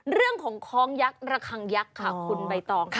เรื่องของคล้องยักษ์ระคังยักษ์ค่ะคุณใบตองค่ะ